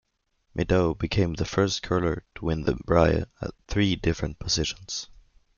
Middaugh became the first curler to win the Brier at three different positions.